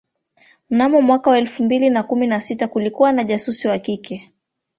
mnamo mwaka elfu mbili na kumi na sita kulikuwa na jasusi wa kike